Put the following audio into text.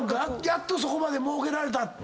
やっとそこまでもうけられた！